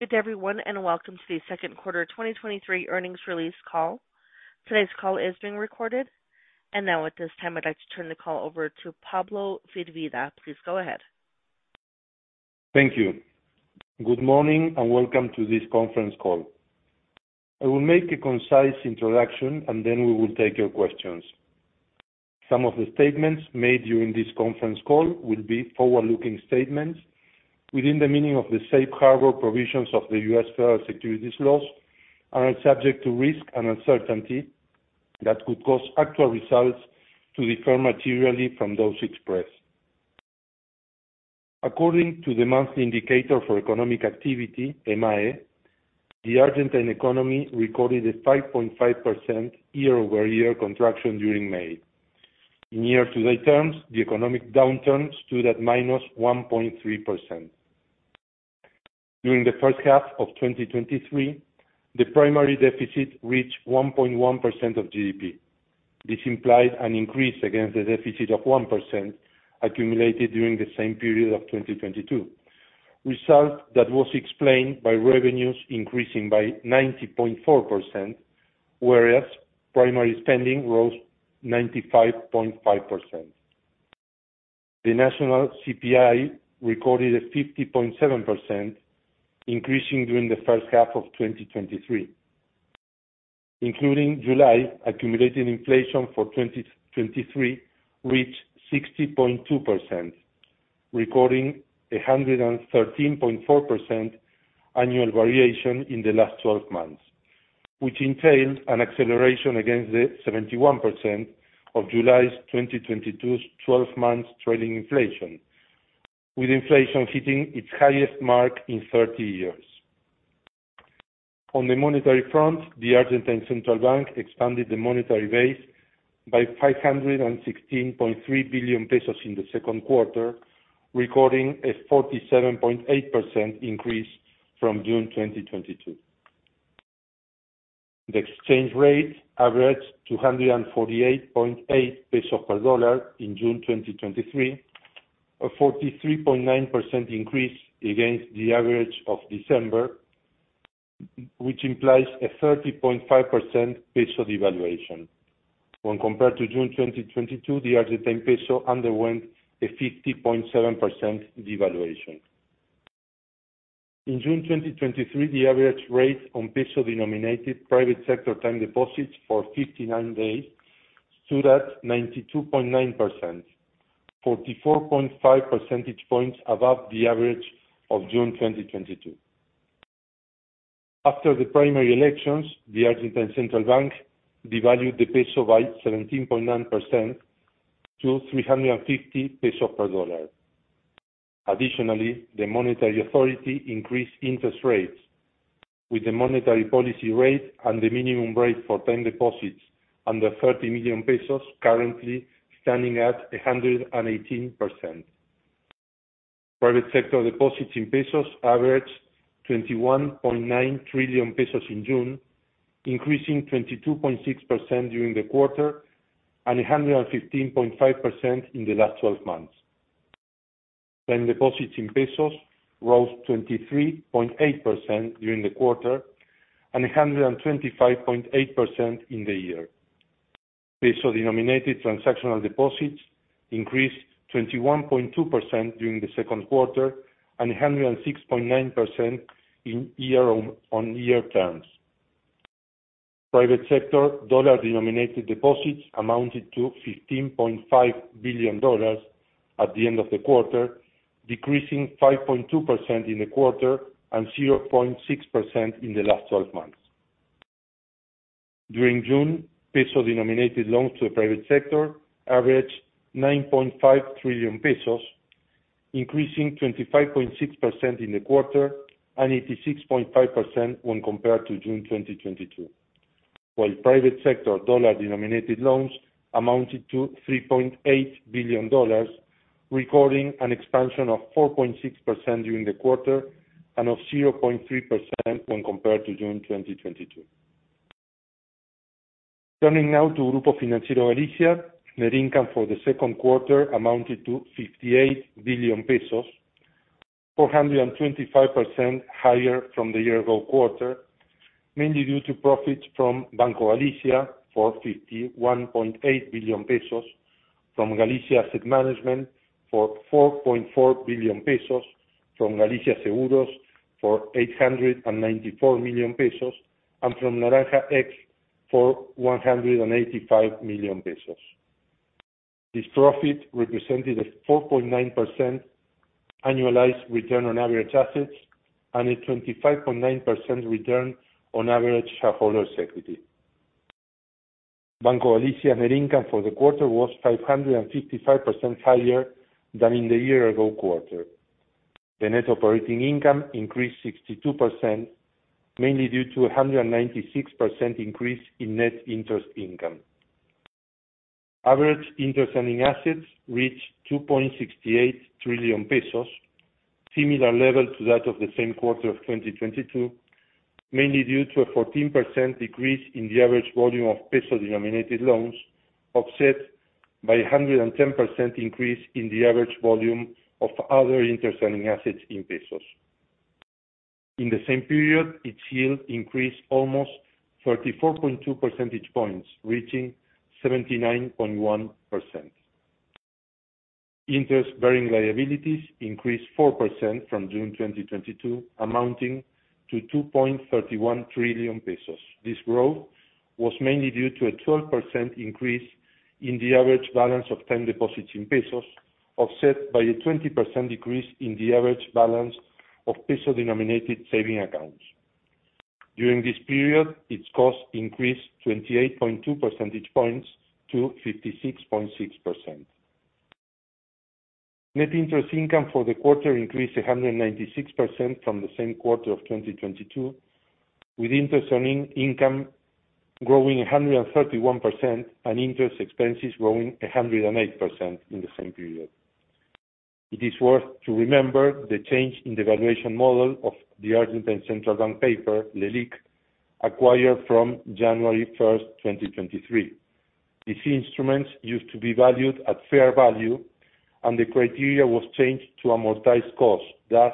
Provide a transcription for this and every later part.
Good everyone, and welcome to the second quarter 2023 earnings release call. Today's call is being recorded. Now, at this time, I'd like to turn the call over to Pablo Firvida. Please go ahead. Thank you. Good morning, welcome to this conference call. I will make a concise introduction, and then we will take your questions. Some of the statements made during this conference call will be forward-looking statements within the meaning of the safe harbor provisions of the U.S. federal securities laws, are subject to risk and uncertainty that could cause actual results to differ materially from those expressed. According to the Monthly Indicator for Economic Activity, EMAE, the Argentine economy recorded a 5.5% year-over-year contraction during May. In year-to-date terms, the economic downturn stood at -1.3%. During the first half of 2023, the primary deficit reached 1.1% of GDP. This implied an increase against the deficit of 1% accumulated during the same period of 2022, result that was explained by revenues increasing by 90.4%, whereas primary spending rose 95.5%. The national CPI recorded a 50.7%, increasing during the first half of 2023. Including July, accumulated inflation for 2023 reached 60.2%, recording a 113.4% annual variation in the last 12 months, which entailed an acceleration against the 71% of July 2022's 12-month trailing inflation, with inflation hitting its highest mark in 30 years. On the monetary front, the Argentine Central Bank expanded the monetary base by 516.3 billion pesos in the second quarter, recording a 47.8% increase from June 2022. The exchange rate averaged 248.8 pesos per dollar in June 2023, a 43.9% increase against the average of December, which implies a 30.5% peso devaluation. When compared to June 2022, the Argentine peso underwent a 50.7% devaluation. In June 2023, the average rate on peso-denominated private sector time deposits for 59 days stood at 92.9%, 44.5 percentage points above the average of June 2022. After the primary elections, the Argentine Central Bank devalued the peso by 17.9% to 350 pesos per dollar. Additionally, the monetary authority increased interest rates, with the monetary policy rate and the minimum rate for time deposits under 30 million pesos currently standing at 118%. Private sector deposits in pesos averaged 21.9 trillion pesos in June, increasing 22.6% during the quarter and 115.5% in the last 12 months. Deposits in pesos rose 23.8% during the quarter and 125.8% in the year. Peso-denominated transactional deposits increased 21.2% during the second quarter and 106.9% in year-on-year terms. Private sector dollar-denominated deposits amounted to $15.5 billion at the end of the quarter, decreasing 5.2% in the quarter and 0.6% in the last 12 months. During June, peso-denominated loans to the private sector averaged 9.5 trillion pesos, increasing 25.6% in the quarter and 86.5% when compared to June 2022. Private sector dollar-denominated loans amounted to $3.8 billion, recording an expansion of 4.6% during the quarter and of 0.3% when compared to June 2022. Turning now to Grupo Financiero Galicia, net income for the second quarter amounted to 58 billion pesos, 425% higher from the year ago quarter, mainly due to profits from Banco Galicia for 51.8 billion pesos, from Galicia Asset Management for 4.4 billion pesos, from Galicia Seguros for 894 million pesos, and from Naranja X for 185 million pesos. This profit represented a 4.9% annualized return on average assets and a 25.9% return on average shareholder's equity. Banco Galicia net income for the quarter was 555% higher than in the year ago quarter. The net operating income increased 62%, mainly due to a 196% increase in net interest income. Average interest earning assets reached 2.68 trillion pesos, similar level to that of the same quarter of 2022. mainly due to a 14% decrease in the average volume of peso-denominated loans, offset by a 110% increase in the average volume of other interest-earning assets in ARS. In the same period, its yield increased almost 34.2 percentage points, reaching 79.1%. Interest-bearing liabilities increased 4% from June 2022, amounting to 2.31 trillion pesos. This growth was mainly due to a 12% increase in the average balance of time deposits in pesos, offset by a 20% decrease in the average balance of peso-denominated saving accounts. During this period, its cost increased 28.2 percentage points to 56.6%. Net interest income for the quarter increased 196% from the same quarter of 2022, with interest earning income growing 131% and interest expenses growing 108% in the same period. It is worth to remember the change in the valuation model of the Argentine Central Bank paper, LELIQ, acquired from January first, 2023. These instruments used to be valued at fair value, and the criteria was changed to amortized cost. Thus,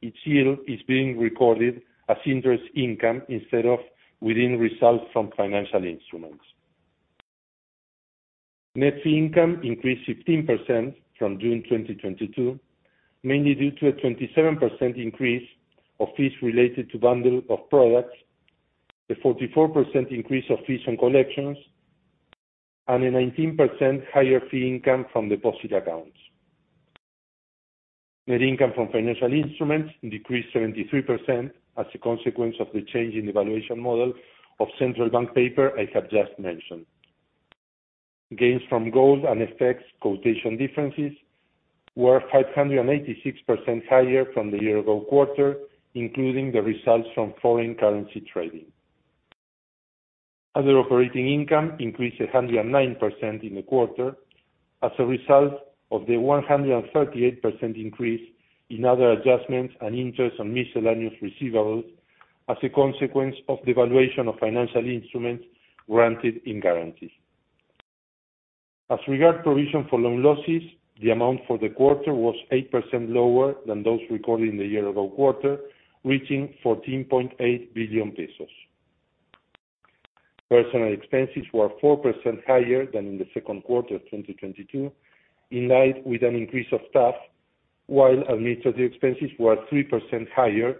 each yield is being recorded as interest income instead of within results from financial instruments. Net fee income increased 15% from June 2022, mainly due to a 27% increase of fees related to bundle of products, a 44% increase of fees on collections, and a 19% higher fee income from deposit accounts. Net income from financial instruments decreased 73% as a consequence of the change in the valuation model of central bank paper I have just mentioned. Gains from gold and FX quotation differences were 586% higher from the year ago quarter, including the results from foreign currency trading. Other operating income increased 109% in the quarter as a result of the 138% increase in other adjustments and interest on miscellaneous receivables, as a consequence of the valuation of financial instruments granted in guarantees. As regard provision for loan losses, the amount for the quarter was 8% lower than those recorded in the year ago quarter, reaching 14.8 billion pesos. Personnel expenses were 4% higher than in the second quarter of 2022, in line with an increase of staff, while administrative expenses were 3% higher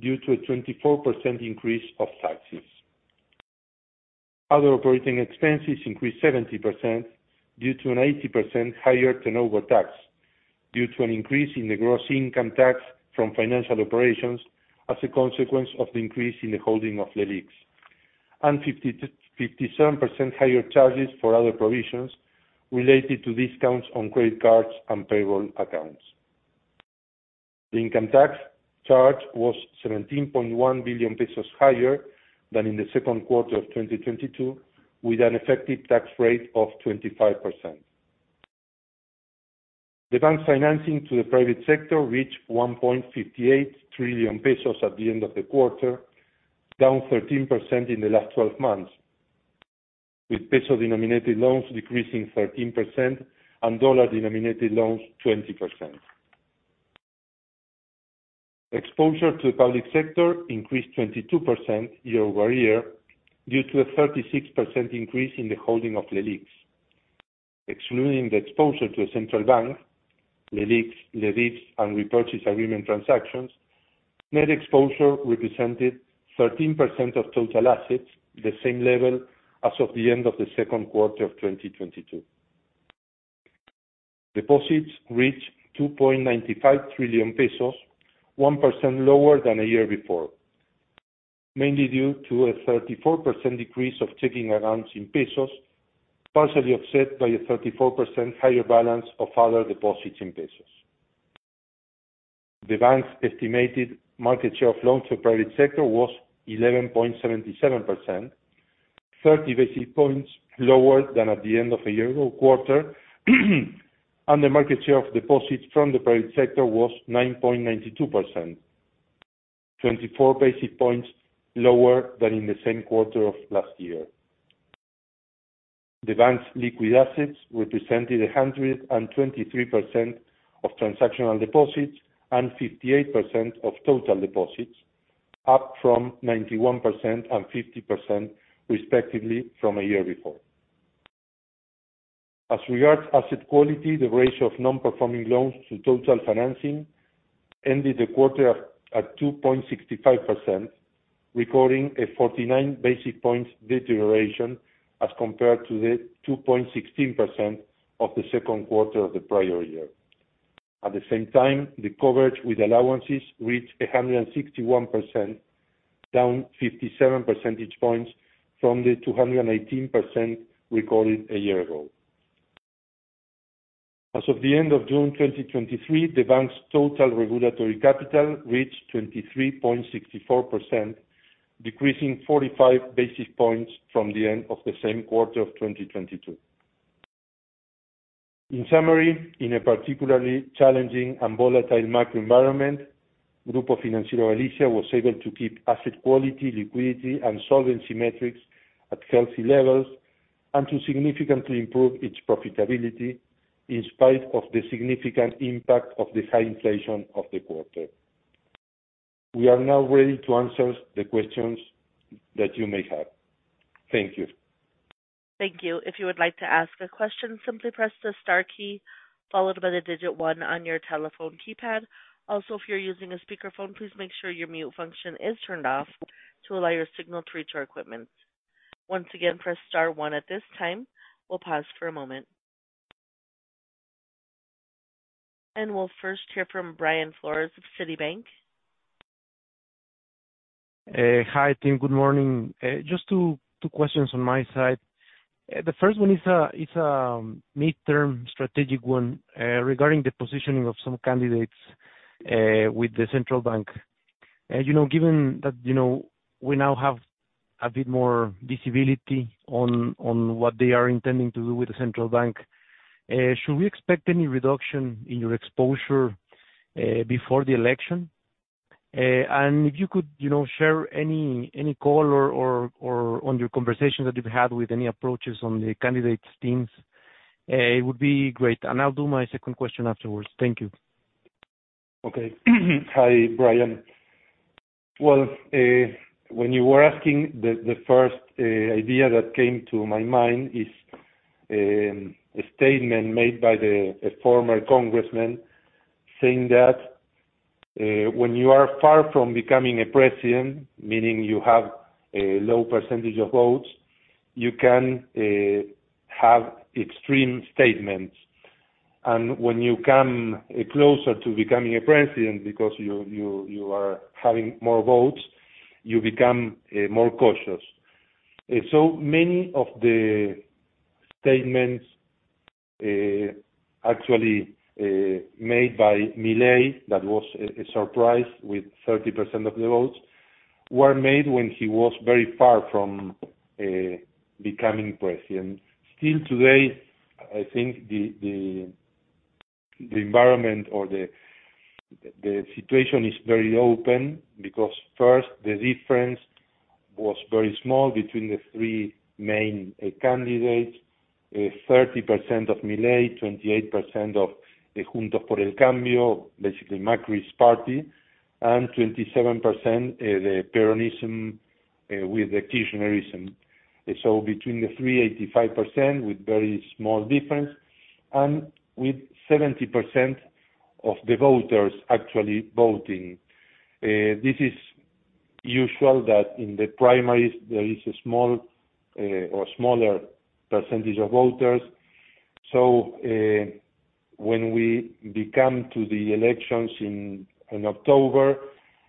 due to a 24% increase of taxes. Other operating expenses increased 70% due to an 80% higher turnover tax, due to an increase in the gross income tax from financial operations as a consequence of the increase in the holding of LELIQs, and 57% higher charges for other provisions related to discounts on credit cards and payroll accounts. The income tax charge was 17.1 billion pesos higher than in the second quarter of 2022, with an effective tax rate of 25%. The bank's financing to the private sector reached 1.58 trillion pesos at the end of the quarter, down 13% in the last 12 months, with peso-denominated loans decreasing 13% and dollar-denominated loans 20%. Exposure to the public sector increased 22% year-over-year, due to a 36% increase in the holding of LELIQs. Excluding the exposure to the Central Bank, LELIQs, LELIQs, and repurchase agreement transactions, net exposure represented 13% of total assets, the same level as of the end of the second quarter of 2022. Deposits reached 2.95 trillion pesos, 1% lower than a year before, mainly due to a 34% decrease of checking accounts in pesos, partially offset by a 34% higher balance of other deposits in pesos. The bank's estimated market share of loans to private sector was 11.77%, 30 basis points lower than at the end of the year ago quarter, and the market share of deposits from the private sector was 9.92%, 24 basis points lower than in the same quarter of last year. The bank's liquid assets represented 123% of transactional deposits and 58% of total deposits, up from 91% and 50%, respectively, from a year before. As regards asset quality, the ratio of non-performing loans to total financing ended the quarter at 2.65%, recording a 49 basis points deterioration as compared to the 2.16% of the second quarter of the prior year. At the same time, the coverage with allowances reached 161%, down 57 percentage points from the 218% recorded a year ago. As of the end of June 2023, the bank's total regulatory capital reached 23.64%, decreasing 45 basis points from the end of the same quarter of 2022. In summary, in a particularly challenging and volatile macro environment, Grupo Financiero Galicia was able to keep asset quality, liquidity, and solvency metrics at healthy levels and to significantly improve its profitability in spite of the significant impact of the high inflation of the quarter. We are now ready to answer the questions that you may have. Thank you. Thank you. If you would like to ask a question, simply press the star key, followed by the digit 1 on your telephone keypad. Also, if you're using a speakerphone, please make sure your mute function is turned off to allow your signal through to our equipment. Once again, press star 1 at this time. We'll pause for a moment. We'll first hear from Brian Flores of Citibank. Hi, team. Good morning. Just 2, 2 questions on my side. The first one is a, is a midterm strategic one, regarding the positioning of some candidates with the Central Bank. You know, given that, you know, we now have a bit more visibility on, on what they are intending to do with the Central Bank, should we expect any reduction in your exposure before the election? If you could, you know, share any, any color or, or on your conversations that you've had with any approaches on the candidates' teams, it would be great. I'll do my second question afterwards. Thank you. Okay. Hi, Brian. Well, when you were asking, the, the first idea that came to my mind is a statement made by the, a former congressman saying that when you are far from becoming a president, meaning you have a low percentage of votes, you can have extreme statements. And when you come closer to becoming a president because you, you, you are having more votes, you become more cautious. So many of the statements actually made by Milei, that was a surprise, with 30% of the votes, were made when he was very far from becoming president. Still today, I think the, the, the environment or the, the situation is very open because first, the difference was very small between the three main candidates: 30% of Milei, 28% of the Juntos por el Cambio, basically Macri's party, and 27%, the Peronism, with the Kirchnerism. Between the three, 85%, with very small difference, and with 70% of the voters actually voting. This is usual that in the primaries there is a small, or smaller percentage of voters. When we become to the elections in, in October,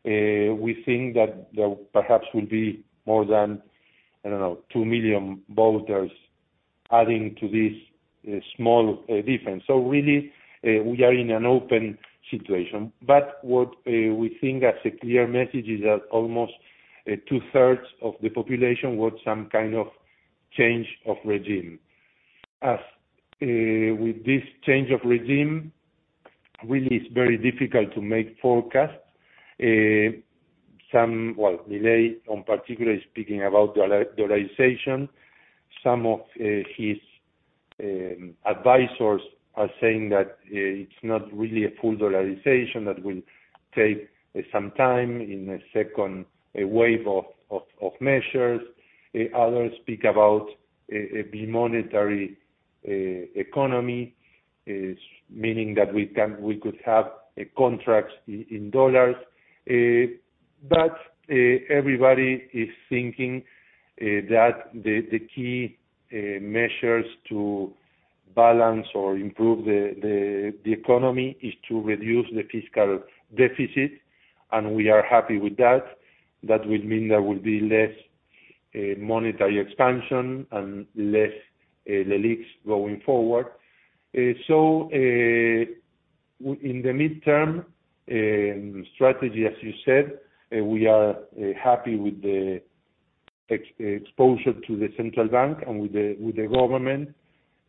we think that there perhaps will be more than, I don't know, 2 million voters adding to this, small difference. Really, we are in an open situation. What we think as a clear message is that almost 2/3 of the population want some kind of change of regime. As with this change of regime, really it's very difficult to make forecasts. Some... Well, Milei, on particularly speaking about dollarization, some of his advisors are saying that it's not really a full dollarization, that will take some time in a 2nd, a wave of, of, of measures. Others speak about a, a bimonetary economy, meaning that we could have a contract in U.S. dollars. Everybody is thinking that the, the key measures to balance or improve the, the, the economy is to reduce the fiscal deficit, and we are happy with that. That would mean there will be less monetary expansion and less LELIQs going forward. W- in the midterm strategy, as you said, we are happy with the ex-exposure to the Central Bank and with the, with the government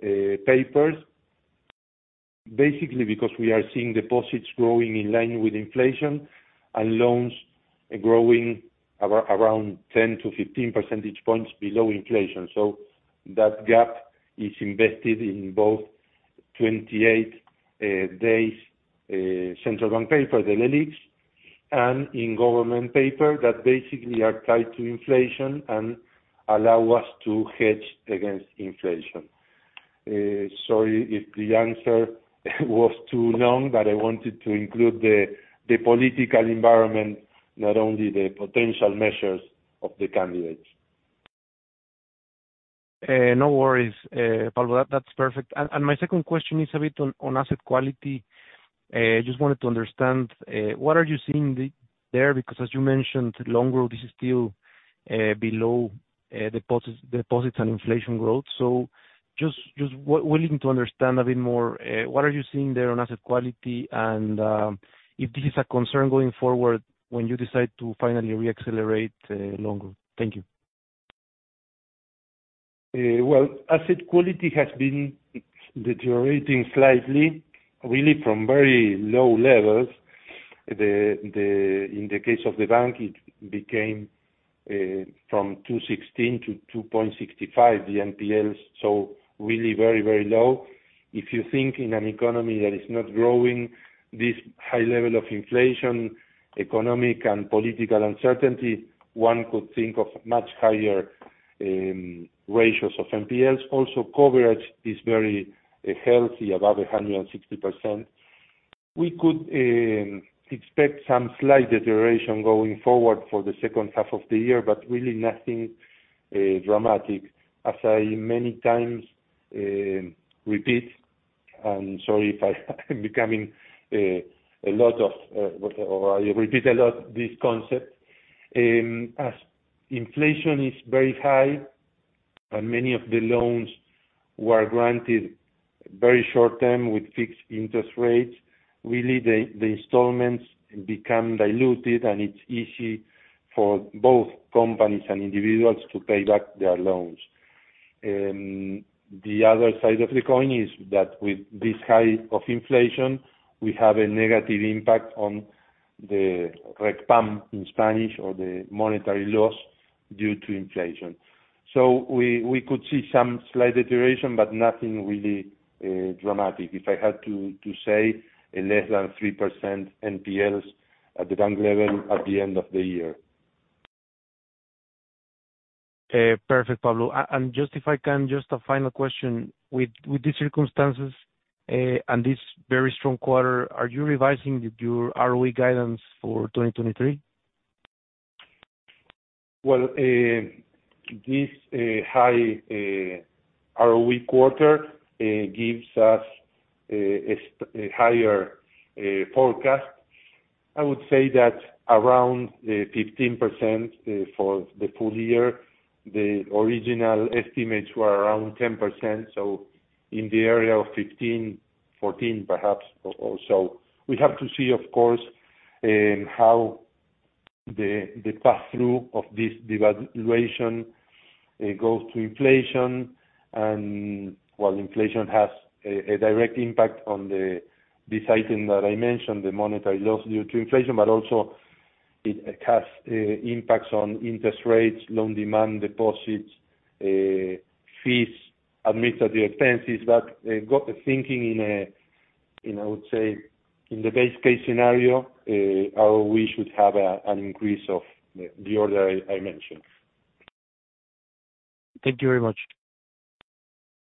papers, basically because we are seeing deposits growing in line with inflation and loans growing around 10 to 15 percentage points below inflation. That gap is invested in both 28 days Central Bank paper, the LELIQs, and in government paper that basically are tied to inflation and allow us to hedge against inflation. Sorry if the answer was too long, but I wanted to include the political environment, not only the potential measures of the candidates. No worries, Pablo, that's perfect. My second question is a bit on asset quality. Just wanted to understand what are you seeing there, because as you mentioned, loan growth is still below deposits, deposits and inflation growth. Just willing to understand a bit more what are you seeing there on asset quality? If this is a concern going forward when you decide to finally reaccelerate loan growth. Thank you. Well, asset quality has been deteriorating slightly, really from very low levels. The, the, in the case of the bank, it became, from 2.16 to 2.65, the NPLs, so really very, very low. If you think in an economy that is not growing, this high level of inflation, economic and political uncertainty, one could think of much higher ratios of NPLs. Also, coverage is very healthy, above 160%. We could expect some slight deterioration going forward for the second half of the year, but really nothing dramatic. As I many times repeat, and sorry if I'm becoming a lot of, or I repeat a lot this concept. As inflation is very high and many of the loans were granted very short-term with fixed interest rates, really the, the installments become diluted, and it's easy for both companies and individuals to pay back their loans. The other side of the coin is that with this high of inflation, we have a negative impact on the RECPAM in Spanish or the monetary loss due to inflation. We, we could see some slight deterioration, but nothing really dramatic. If I had to, to say, a less than 3% NPLs at the bank level at the end of the year. Perfect, Pablo. Just if I can, just a final question. With, with the circumstances, and this very strong quarter, are you revising your ROE guidance for 2023? Well, this high ROE quarter gives us a higher forecast. I would say that around 15% for the full year, the original estimates were around 10%, so in the area of 15, 14, perhaps, also. We have to see, of course, how the, the pass-through of this devaluation goes to inflation, and while inflation has a direct impact on the, this item that I mentioned, the monetary loss due to inflation, but also it has impacts on interest rates, loan demand, deposits, fees, administrative expenses, but got thinking in a, in, I would say, in the best case scenario, how we should have an increase of the, the order I, I mentioned. Thank you very much.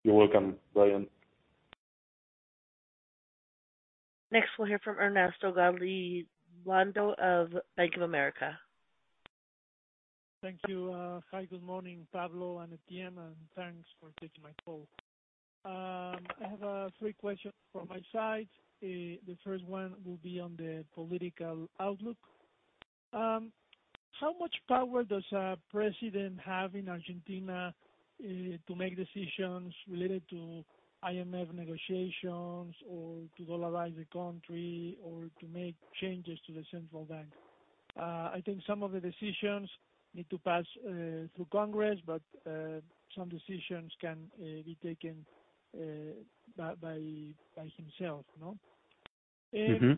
You're welcome, Brian. Next, we'll hear from Ernesto Gabilondo of Bank of America. Thank you. Hi, good morning, Pablo and the team and thanks for taking my call. I have three questions from my side. The first one will be on the political outlook. How much power does a president have in Argentina to make decisions related to IMF negotiations or to dollarize the country, or to make changes to the central bank? I think some of the decisions need to pass through Congress, but some decisions can be taken by himself, no? Mm-hmm.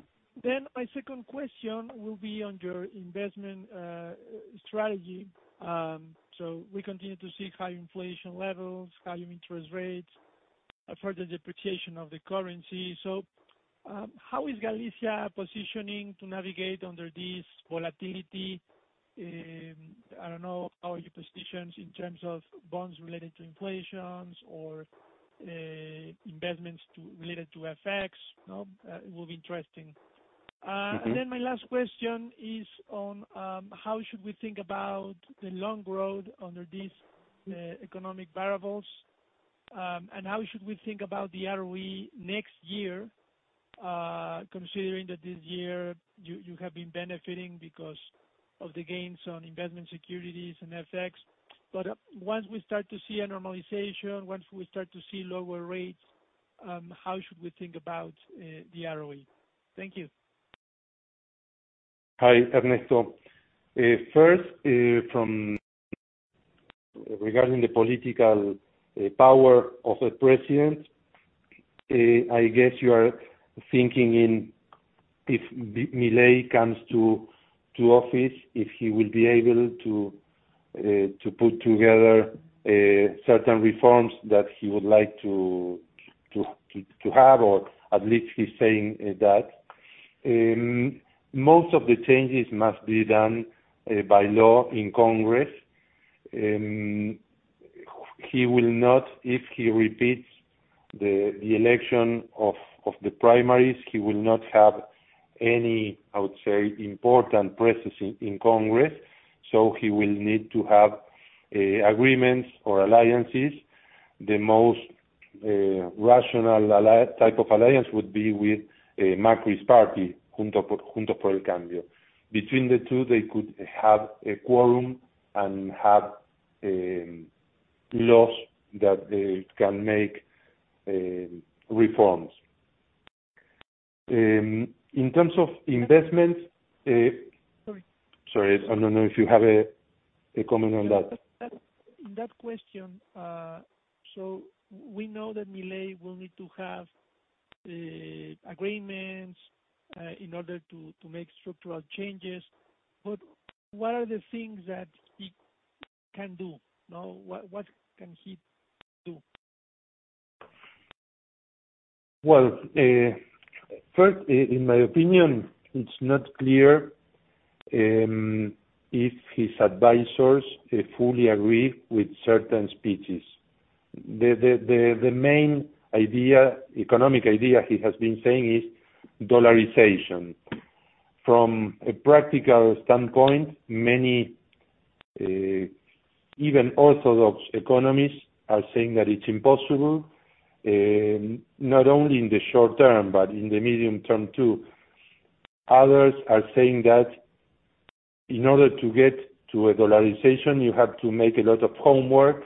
My second question will be on your investment strategy. We continue to see high inflation levels, high interest rates, a further depreciation of the currency. How is Galicia positioning to navigate under this volatility? I don't know, how are your positions in terms of bonds related to inflations or investments related to FX? It will be interesting. Mm-hmm. Then my last question is on, how should we think about the long road under these economic variables? How should we think about the ROE next year, considering that this year you, you have been benefiting because of the gains on investment securities and FX. Once we start to see a normalization, once we start to see lower rates, how should we think about the ROE? Thank you. Hi, Ernesto. First, regarding the political power of a president, I guess you are thinking if Milei comes to office, if he will be able to put together certain reforms that he would like to have or at least he's saying that. Most of the changes must be done by law in Congress. He will not, if he repeats the election of the primaries, he will not have any, I would say, important presence in Congress, so he will need to have agreements or alliances. The most rational type of alliance would be with Macri's party, Juntos por el Cambio. Between the two, they could have a quorum and have laws that can make reforms. In terms of investments, Sorry. Sorry, I don't know if you have a comment on that. That, in that question, we know that Milei will need to have agreements in order to, to make structural changes. What are the things that he can do? Now, what, what can he do? Well, first, in my opinion, it's not clear if his advisors fully agree with certain speeches. The, the, the, the main idea, economic idea he has been saying is dollarization. From a practical standpoint, many, even orthodox economists are saying that it's impossible, not only in the short term but in the medium term too. Others are saying that in order to get to a dollarization, you have to make a lot of homework,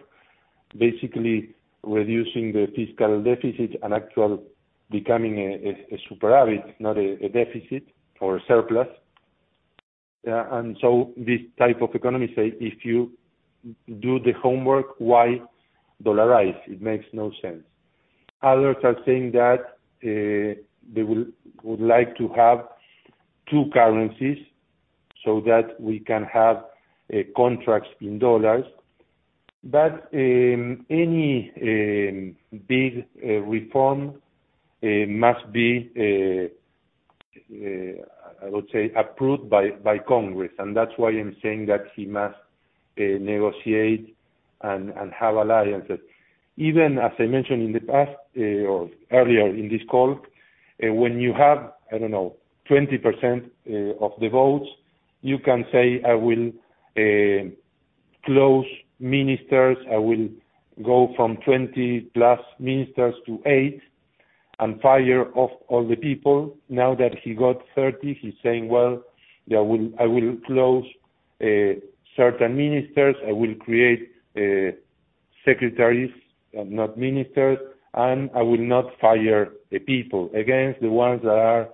basically reducing the fiscal deficit and actual becoming a, a, a superavit, not a, a deficit or surplus. So this type of economy say, if you do the homework, why dollarize? It makes no sense. Others are saying that, they would like to have two currencies so that we can have contracts in dollars. Any big reform must be, I would say, approved by Congress, and that's why I'm saying that he must negotiate and have alliances. Even as I mentioned in the past or earlier in this call, when you have, I don't know, 20% of the votes, you can say: I will close ministers, I will go from 20+ ministers to 8 and fire off all the people. Now that he got 30, he's saying: Well, I will, I will close certain ministers, I will create secretaries, not ministers, and I will not fire the people. Again, the ones that are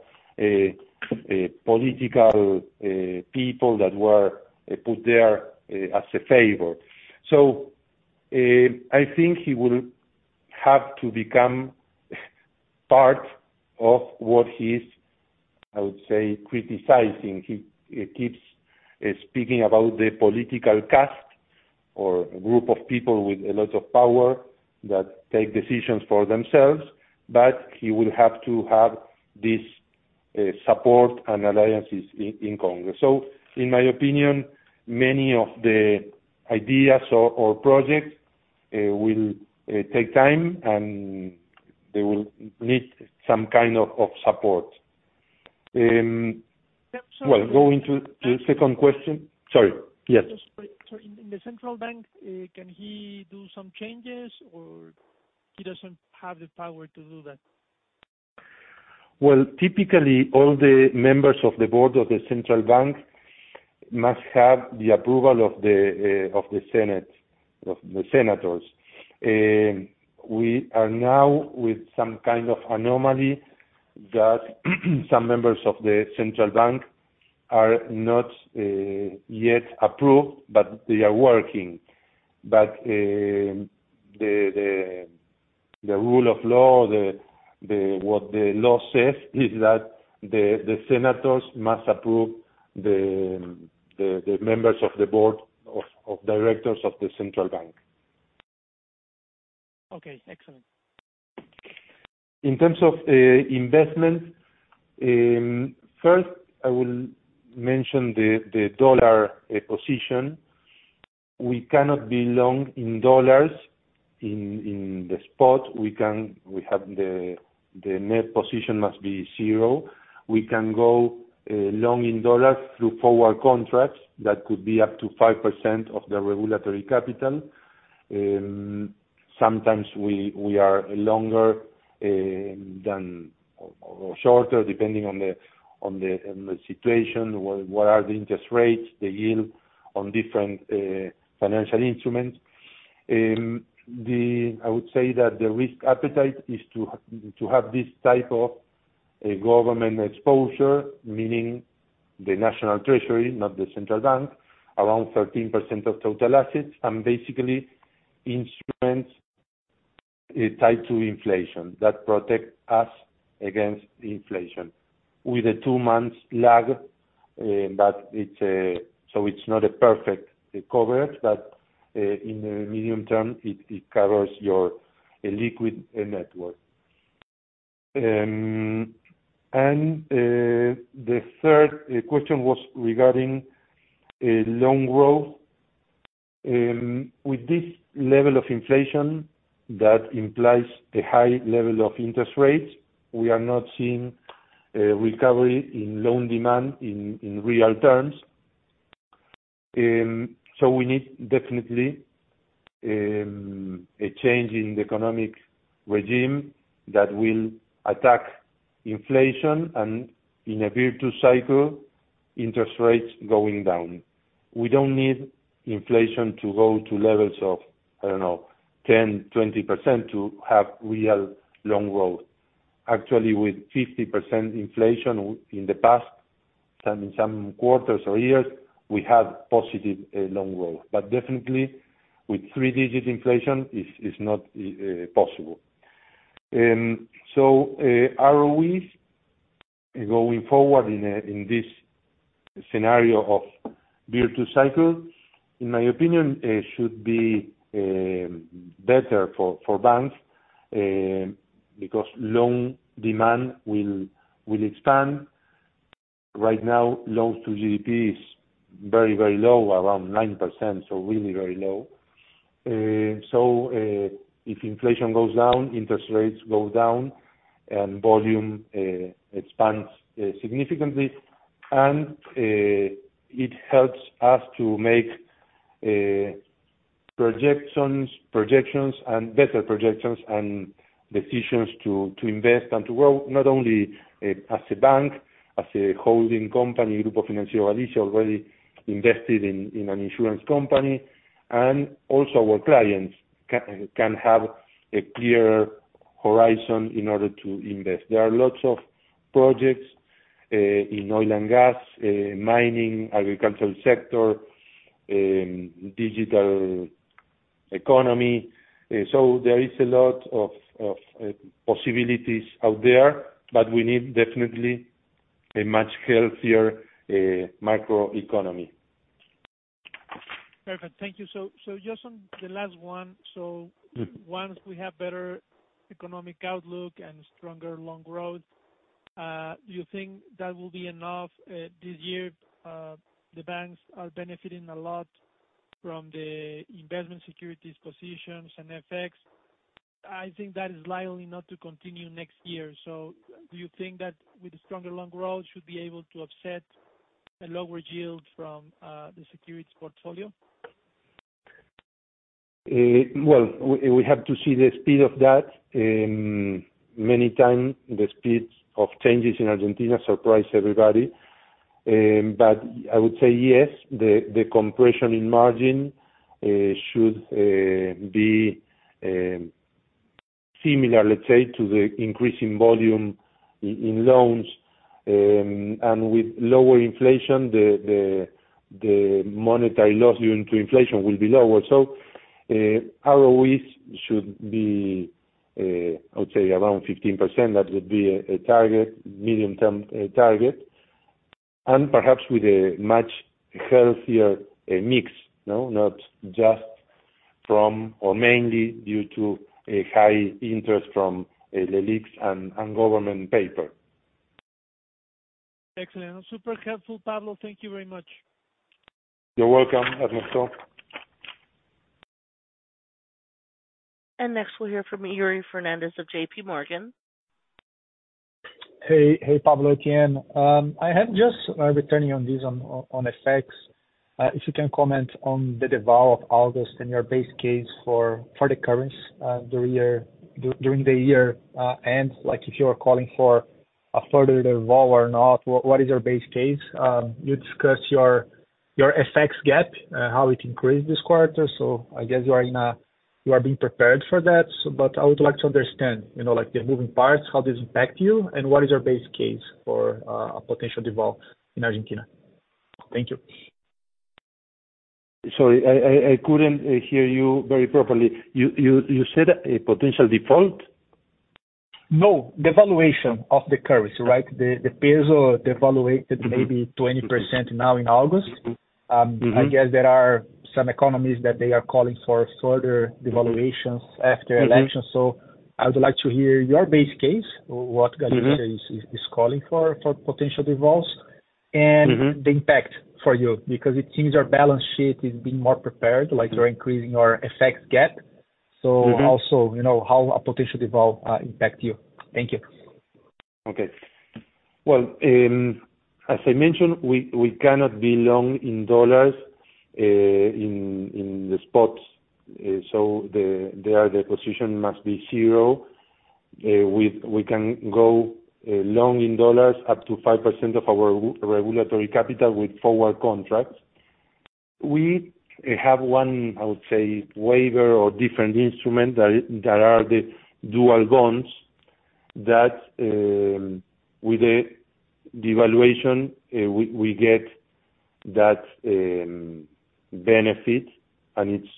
political people that were put there as a favor. I think he will have to become part of what he's, I would say, criticizing. He keeps speaking about the political caste or group of people with a lot of power that take decisions for themselves, but he will have to have this support and alliances in Congress. In my opinion, many of the ideas or projects will take time, and they will need some kind of support. Sorry. Well, going to the second question. Sorry. Yes. Sorry. In, in the central bank, can he do some changes or he doesn't have the power to do that? Well, typically, all the members of the board of the Central Bank must have the approval of the Senate, of the senators. We are now with some kind of anomaly that, some members of the Central Bank are not yet approved, but they are working. The, the, the rule of law, the, the, what the law says is that the, the senators must approve the, the, the members of the board of directors of the Central Bank. Okay, excellent. In terms of investment, first, I will mention the dollar position. We cannot be long in dollars in the spot. We have the net position must be zero. We can go long in dollars through forward contracts. That could be up to 5% of the regulatory capital. Sometimes we are longer than, or shorter, depending on the situation, what are the interest rates, the yield on different financial instruments. I would say that the risk appetite is to have this type of a government exposure, meaning the national treasury, not the Central Bank, around 13% of total assets, and basically instruments tied to inflation, that protect us against inflation with a 2-months lag. It's, so it's not a perfect coverage, but in the medium term, it covers your liquid net worth. The third question was regarding loan growth. With this level of inflation, that implies a high level of interest rates, we are not seeing recovery in loan demand in real terms. We need definitely a change in the economic regime that will attack inflation and in a virtuous cycle. interest rates going down. We don't need inflation to go to levels of, I don't know, 10, 20% to have real long growth. Actually, with 50% inflation in the past, some quarters or years, we had positive long growth, but definitely with three-digit inflation, it's not possible. ROEs, going forward in this scenario of virtuous cycle in my opinion, should be better for banks because loan demand will expand. Right now, loans to GDP is very, very low, around 9%, so really very low. If inflation goes down, interest rates go down, and volume expands significantly, and it helps us to make better projections and decisions to invest and to grow, not only as a bank, as a holding company, Grupo Financiero Galicia, already invested in an insurance company, and also our clients can have a clear horizon in order to invest. There are lots of projects in oil and gas, mining, agricultural sector, digital economy. There is a lot of possibilities out there, but we need definitely a much healthier microeconomy. Perfect. Thank you. Just on the last one? Mm. Once we have better economic outlook and stronger long growth, do you think that will be enough? This year, the banks are benefiting a lot from the investment securities positions and FX. I think that is likely not to continue next year, so do you think that with stronger long growth should be able to offset a lower yield from the securities portfolio? Well, we, we have to see the speed of that. Many time the speeds of changes in Argentina surprise everybody, but I would say yes, the, the compression in margin should be similar, let's say, to the increase in volume in loans. With lower inflation, the, the, the monetary loss due to inflation will be lower. ROEs should be, I would say around 15%. That would be a, a target, medium-term, target, and perhaps with a much healthier mix, you know, not just from or mainly due to a high interest from the LELIQs and, and government paper. Excellent. Super helpful, Pablo. Thank you very much. You're welcome, Ernesto. Next, we'll hear from Yuri Fernandes of JP Morgan. Hey, hey, Pablo. Again, I have just returning on this, on effects. If you can comment on the devalue of August and your base case for the currency during your during the year end, like if you are calling for a further devalue or not, what is your base case? You discussed your FX gap, how it increased this quarter. I guess you are you are being prepared for that, but I would like to understand, you know, like the moving parts, how this impact you, and what is your base case for a potential default in Argentina? Thank you. Sorry, I couldn't hear you very properly. You said a potential default? No, devaluation of the currency, right? The, the peso devaluated- Mm-hmm. maybe 20% now in August. Mm-hmm. I guess there are some economies that they are calling for further devaluations after. Mm-hmm... elections. I would like to hear your base case, what? Mm-hmm... Galicia is, is calling for, for potential devals- Mm-hmm... and the impact for you, because it seems your balance sheet is being more prepared. Mm-hmm... like you're increasing your effects gap. Mm-hmm. Also, you know, how a potential devolve impact you. Thank you. Okay. Well, as I mentioned, we cannot be long in US dollars, in the spots. The position must be 0. We can go long in US dollars up to 5% of our regulatory capital with forward contracts. We have one, I would say, waiver or different instrument, that is, that are the dual bonds, that with the devaluation, we get that benefit and it's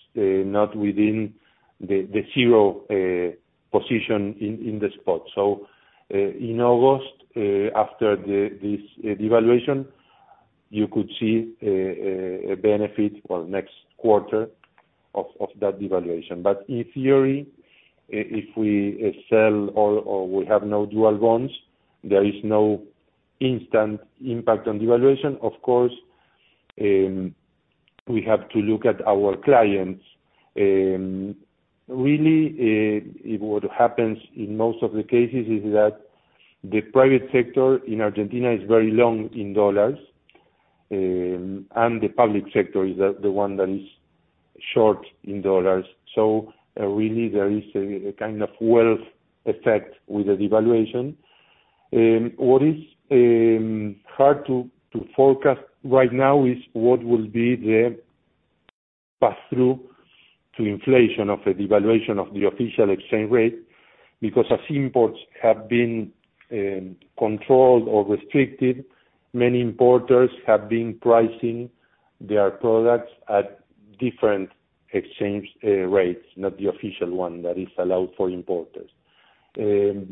not within the 0 position in the spot. In August, after this devaluation, you could see a benefit or next quarter of that devaluation. But in theory, if we sell or we have no dual bonds, there is no instant impact on devaluation. Of course, we have to look at our clients. Really, what happens in most of the cases is that the private sector in Argentina is very long in dollars, and the public sector is the one that is short in dollars. Really, there is a kind of wealth effect with the devaluation. What is hard to forecast right now is what will be the pass-through to inflation of the devaluation of the official exchange rate, because as imports have been controlled or restricted, many importers have been pricing their products at different exchange rates, not the official one that is allowed for importers. I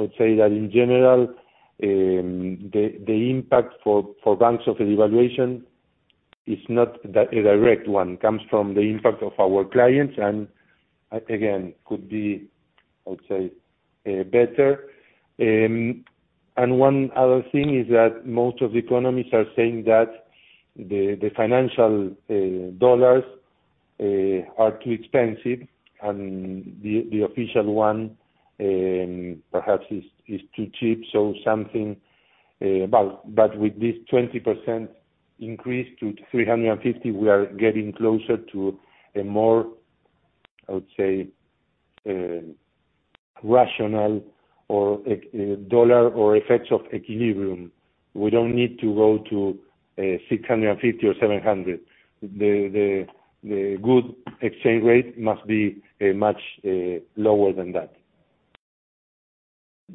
would say that in general, the impact for banks of devaluation is not that a direct one, comes from the impact of our clients, and again, could be, I would say, better. One other thing is that most of the economists are saying that the, the financial dollars are too expensive and the, the official one, perhaps is, is too cheap, so something, but with this 20% increase to $350, we are getting closer to a more, I would say, rational dollar or FX equilibrium. We don't need to go to $650 or $700. The, the, the good exchange rate must be much lower than that.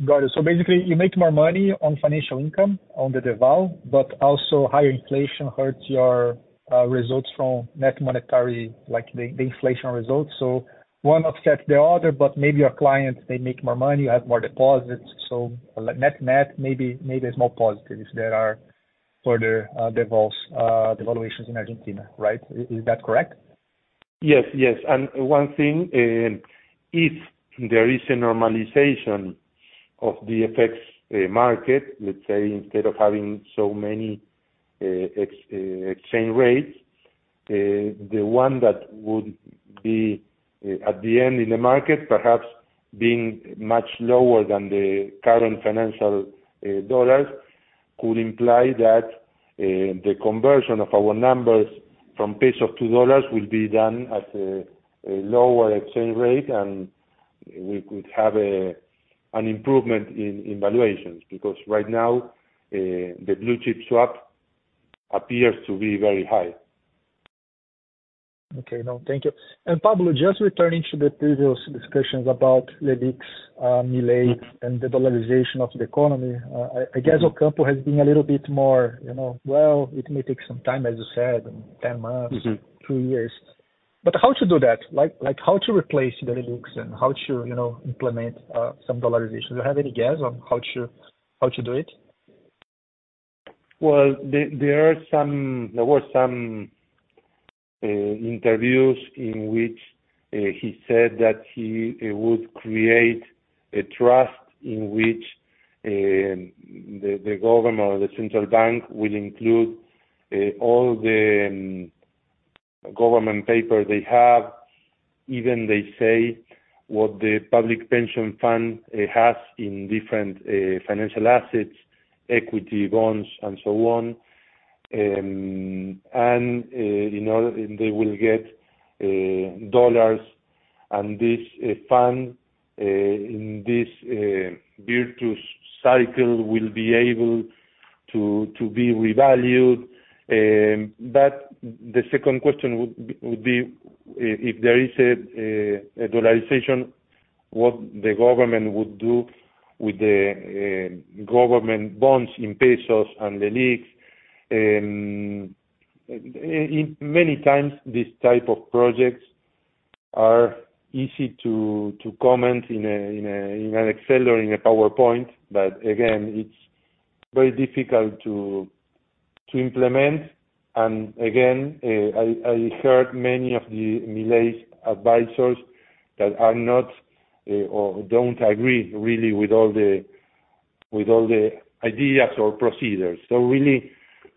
Got it. Basically, you make more money on financial income, on the deval, but also higher inflation hurts your results from net monetary, like, the, the inflation results. One offsets the other, but maybe your clients, they make more money, you have more deposits, so net, net, maybe, maybe it's more positive if there are further devals, devaluations in Argentina, right? Is that correct? Yes, yes. One thing, if there is a normalization of the FX market, let's say, instead of having so many, exchange rates, the one that would be, at the end in the market, perhaps being much lower than the current financial, dollars, could imply that, the conversion of our numbers from pesos to dollars will be done at a, a lower exchange rate, and we could have, an improvement in, in valuations, because right now, the blue chip swap appears to be very high. Okay. No, thank you. Pablo, just returning to the previous discussions about Milei and the dollarization of the economy. I guess Ocampo has been a little bit more, you know, well, it may take some time, as you said, 10 months. Mm-hmm... two years. How to do that? Like, like, how to replace the inaudible and how to, you know, implement some dollarization. Do you have any guess on how to, how to do it? There were some interviews in which he said that he would create a trust in which the government or the Central Bank will include all the government paper they have. Even they say what the public pension fund has in different financial assets, equity, bonds, and so on. You know, they will get $, and this fund in this virtuous cycle will be able to be revalued. The second question would be if there is a dollarization, what the government would do with the government bonds in ARS. In many times, these type of projects are easy to, to comment in a, in a, in an Excel or in a PowerPoint, but again, it's very difficult to, to implement. Again, I, I heard many of the Milei's advisors that are not or don't agree really with all the, with all the ideas or procedures.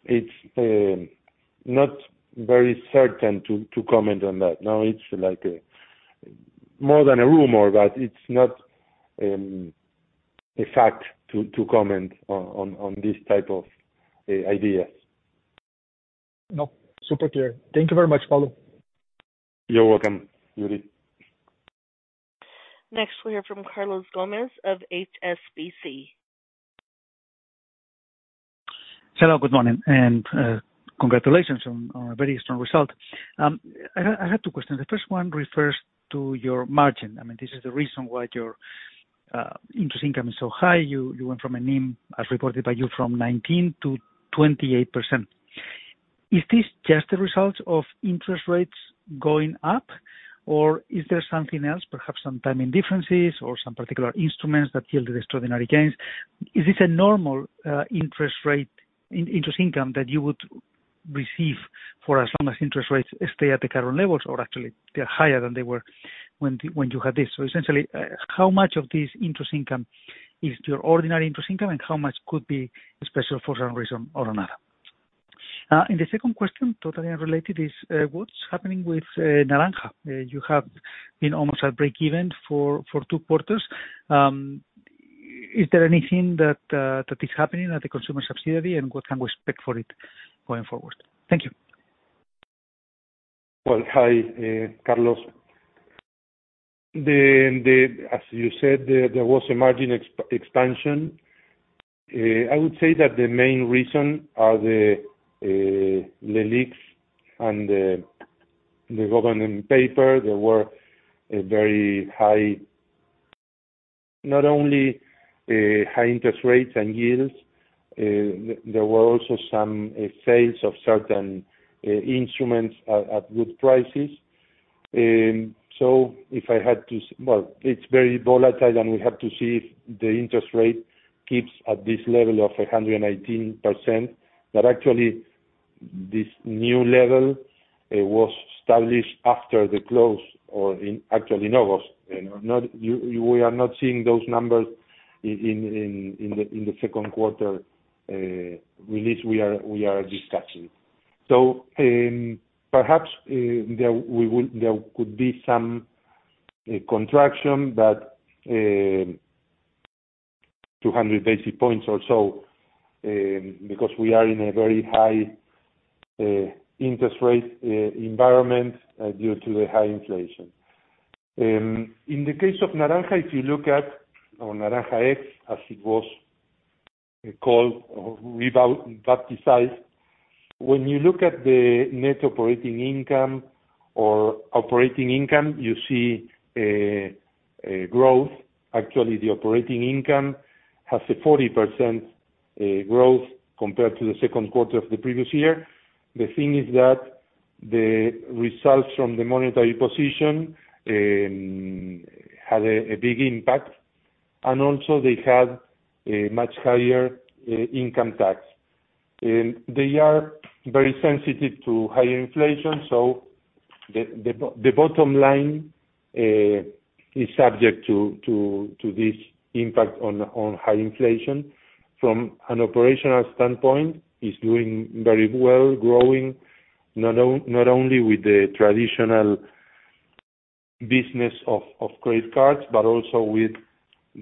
Really, it's not very certain to, to comment on that. Now, it's like a more than a rumor, but it's not a fact to comment on this type of ideas. No, super clear. Thank you very much, Pablo. You're welcome, Yuri. Next, we hear from Carlos Gomez-Lopez of HSBC. Hello, good morning, and congratulations on, on a very strong result. I had, I had two questions. The first one refers to your margin. I mean, this is the reason why your interest income is so high. You, you went from a NIM, as reported by you, from 19 to 28%. Is this just a result of interest rates going up, or is there something else, perhaps some timing differences or some particular instruments that yield the extraordinary gains? Is this a normal interest rate, interest income that you would receive for as long as interest rates stay at the current levels, or actually they're higher than they were when, when you had this? Essentially, how much of this interest income is your ordinary interest income, and how much could be special for some reason or another? The second question, totally unrelated, is, what's happening with Naranja X? You have been almost at breakeven for 2 quarters. Is there anything that is happening at the consumer subsidiary, and what can we expect for it going forward? Thank you. Well, hi, Carlos Gomez. As you said, there was a margin expansion. I would say that the main reason are the LELIQs and the government paper, there were a very high, not only high interest rates and yields, there were also some sales of certain instruments at good prices. If I had to say. Well, it's very volatile, and we have to see if the interest rate keeps at this level of 118%, but actually this new level was established after the close, or in actually, in August. Not, we are not seeing those numbers in the second quarter release we are discussing. Perhaps, there we will-- there could be some contraction, but 200 basis points or so, because we are in a very high interest rate environment, due to the high inflation. In the case of Naranja, if you look at, or Naranja X, as it was called or rebaptized, when you look at the net operating income or operating income, you see a growth. Actually, the operating income has a 40% growth compared to the second quarter of the previous year. The thing is that the results from the monetary position had a big impact, and also they had a much higher income tax. They are very sensitive to high inflation, so the, the, the bottom line is subject to, to, to this impact on, on high inflation. From an operational standpoint, is doing very well, growing not only with the traditional business of, of credit cards, but also with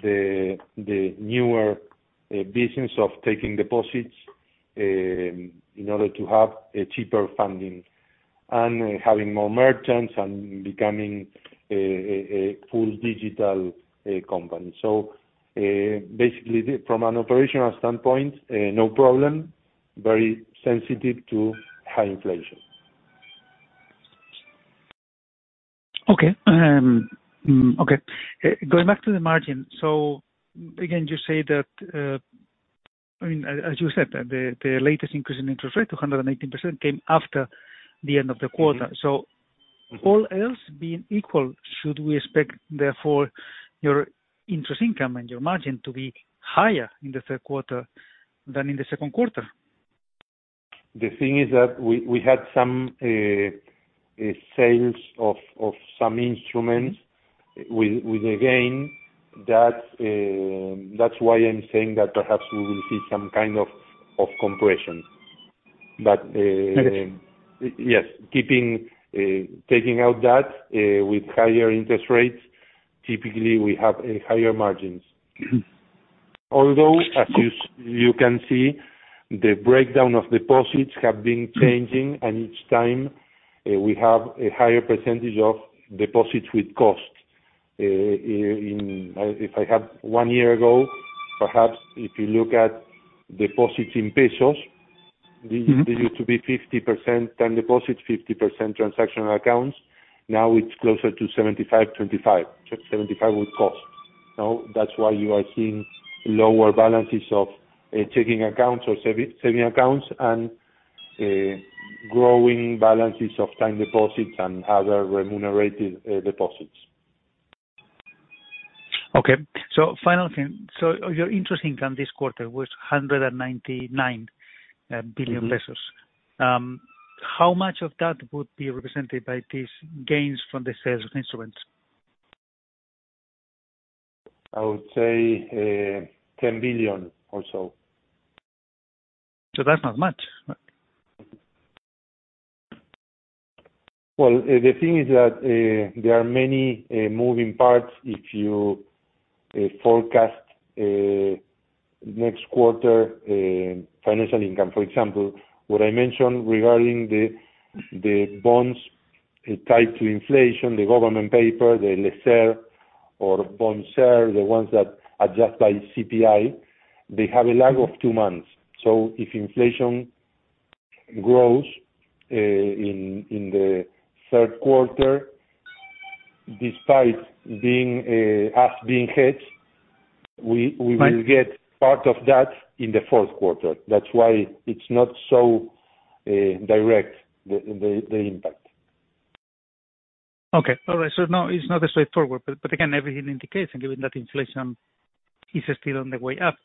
the, the newer business of taking deposits, in order to have a cheaper funding, and having more merchants and becoming a full digital company. Basically, the from an operational standpoint, no problem, very sensitive to high inflation. Okay. Okay. Going back to the margin, so again, you say that, I mean, as you said, the, the latest increase in interest rate, 218%, came after the end of the quarter. Mm-hmm. All else being equal, should we expect, therefore, your interest income and your margin to be higher in the third quarter than in the second quarter? The thing is that we, we had some sales of some instruments with a gain. That's why I'm saying that perhaps we will see some kind of compression. Okay. Yes, keeping, taking out that, with higher interest rates, typically we have a higher margins. Mm-hmm. Although, as you can see, the breakdown of deposits have been changing, and each time, we have a higher percentage of deposits with cost. In, if I have 1 year ago, perhaps if you look at deposits in pesos. Mm-hmm... they used to be 50% time deposits, 50% transactional accounts, now it's closer to 75, 25. 75 with cost. That's why you are seeing lower balances of, checking accounts or saving accounts and, growing balances of time deposits and other remunerated, deposits. Okay. Final thing, your interest income this quarter was 199 billion pesos. Mm-hmm. How much of that would be represented by these gains from the sales of instruments? I would say, $10 billion or so. That's not much. The thing is that, there are many, moving parts if you, forecast, next quarter, financial income. For example, what I mentioned regarding the, the bonds, tied to inflation, the government paper, the LECER or BONCER, the ones that are just by CPI, they have a lag of 2 months. If inflation grows, in, in the third quarter, despite being, us being hedged, we, we will- Right... get part of that in the fourth quarter. That's why it's not so direct, the, the, the impact. Okay. All right, now it's not a straightforward, but, but again, everything indicates, and given that inflation is still on the way up,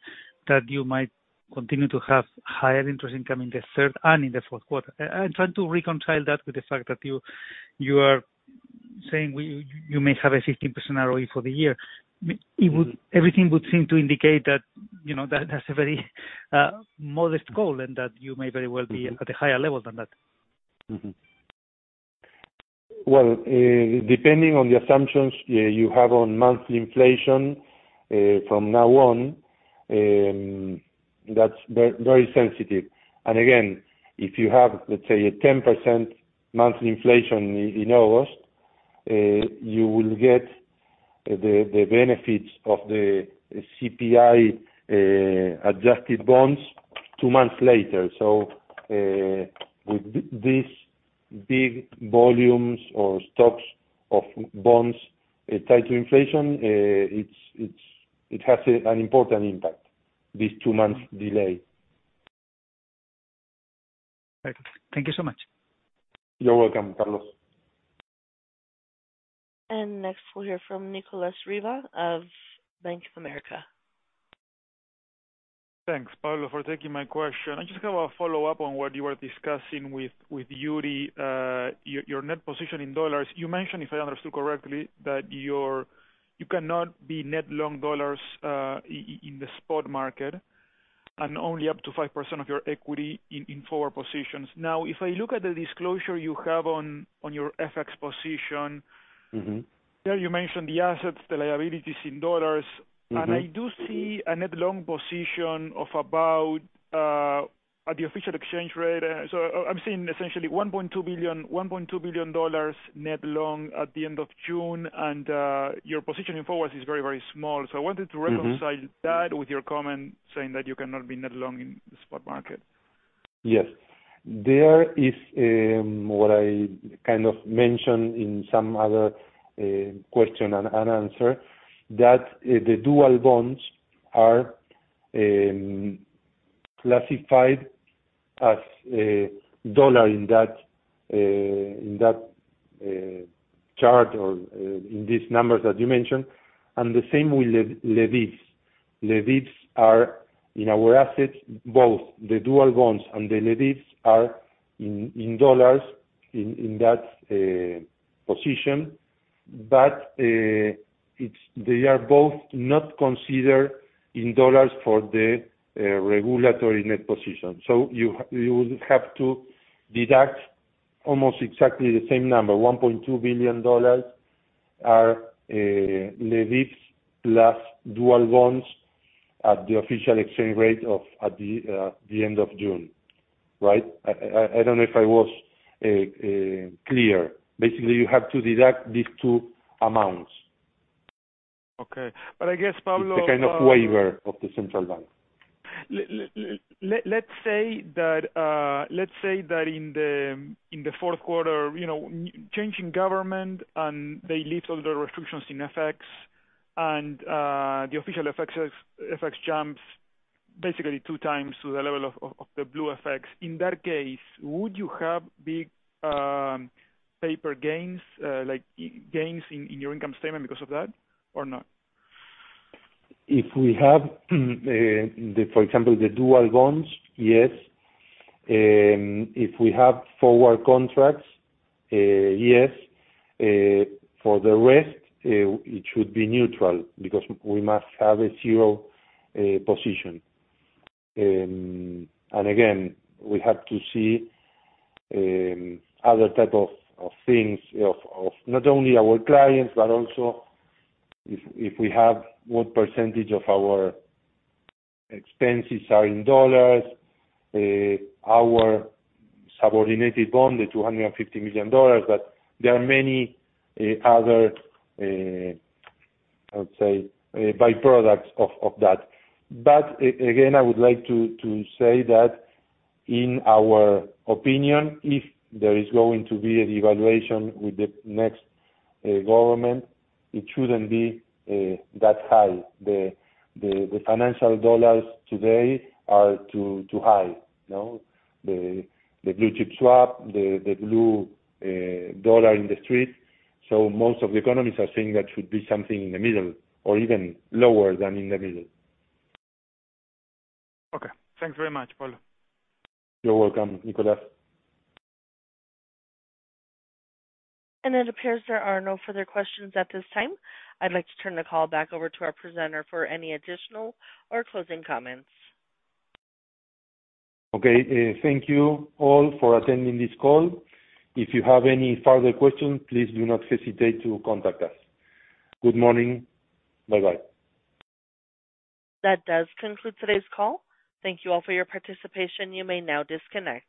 that you might continue to have higher interest income in the third and in the fourth quarter. I'm trying to reconcile that with the fact that you, you are saying we, y- you may have a 15% ROE for the year. Mm-hmm. Everything would seem to indicate that, you know, that, that's a very modest goal and that you may very well be at a higher level than that. Well, depending on the assumptions you have on monthly inflation from now on, that's very, very sensitive. Again, if you have, let's say, a 10% monthly inflation in August, you will get the benefits of the CPI adjusted bonds two months later. With this big volumes or stocks of bonds tied to inflation, it has an important impact, this two months delay. Thank you so much. You're welcome, Carlos. Next, we'll hear from Nicolas Riva of Bank of America. Thanks, Pablo, for taking my question. I just have a follow-up on what you were discussing with, with Yuri, your net position in US dollars. You mentioned, if I understood correctly, that you cannot be net long US dollars in the spot market, and only up to 5% of your equity in, in forward positions. Now, if I look at the disclosure you have on your FX position- Mm-hmm. There, you mentioned the assets, the liabilities in dollars. Mm-hmm. I do see a net long position of about, at the official exchange rate, so I'm seeing essentially $1.2 billion, $1.2 billion net long at the end of June, and your position in forwards is very, very small. Mm-hmm. I wanted to reconcile that with your comment, saying that you cannot be net long in the spot market. Yes. There is what I kind of mentioned in some other question and answer, that the dual bonds are classified as dollars in that in that chart or in these numbers that you mentioned, and the same with LEDES. LEDES are in our assets, both the dual bonds and the LEDES are in dollars, in in that position. They are both not considered in dollars for the regulatory net position. You, you would have to deduct almost exactly the same number, $1.2 billion are LEDES plus dual bonds at the official exchange rate of, at the end of June, right? I, I, I don't know if I was clear. Basically, you have to deduct these two amounts. Okay. I guess, Pablo. The kind of waiver of the central bank. L-l-l-let, let's say that, let's say that in the, in the fourth quarter, you know, changing government and they lift all the restrictions in FX, and the official FX, FX jumps basically two times to the level of, of, of the blue FX. In that case, would you have big, paper gains, like gains in, in your income statement because of that or not? If we have, for example, the dual bonds, yes, if we have forward contracts, yes, for the rest, it should be neutral because we must have a 0 position. Again, we have to see, other type of, of things of, of not only our clients, but also if, if we have what percentage of our expenses are in dollars, our subordinated bond, the $250 million, but there are many, other, I would say, byproducts of, of that. Again, I would like to, to say that in our opinion, if there is going to be a devaluation with the next, government, it shouldn't be, that high. The, the, the financial dollars today are too, too high, you know? The, the blue chip swap, the, the blue dollar in the street, so most of the economists are saying that should be something in the middle or even lower than in the middle. Okay. Thanks very much, Pablo. You're welcome, Nicholas. It appears there are no further questions at this time. I'd like to turn the call back over to our presenter for any additional or closing comments. Okay. Thank you all for attending this call. If you have any further questions, please do not hesitate to contact us. Good morning. Bye-bye. That does conclude today's call. Thank you all for your participation. You may now disconnect.